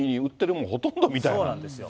そうなんです。